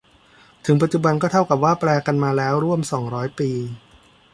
ถึงปัจจุบันก็เท่ากับว่าแปลกันมาแล้วร่วมสองร้อยปี